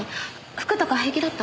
服とか平気だった？